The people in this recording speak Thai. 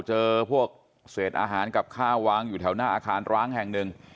เจอพวกเศษอาหารกับข้าววางอยู่แถวหน้าอาคารร้างแห่งหนึ่ง